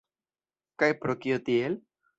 Kaj pro kio tiel?